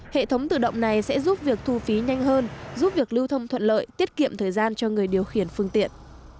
hệ thống tự động này sẽ giúp việc thu phí nhanh hơn giúp việc lưu thông thuận lợi tiết kiệm thời gian cho người điều khiển phương tiện